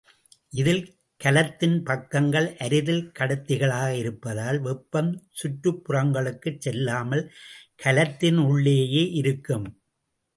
இதில் கலத்தின் பக்கங்கள் அரிதில் கடத்திகளாக இருப்பதால், வெப்பம் சுற்றுப்புறங்களுக்குச் செல்லாமல் கலத்தினுள்ளேயே இருக்கும்.